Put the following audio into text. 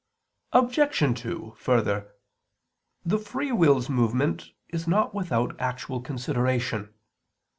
Obj. 2: Further, the free will's movement is not without actual consideration.